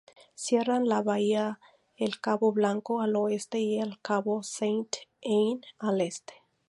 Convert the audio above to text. Cierran la bahía el cabo Blanco al oeste y el cabo Sainte-Anne al este.